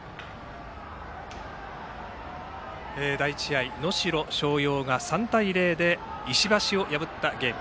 第１試合、能代松陽が３対０で石橋を破ったゲーム。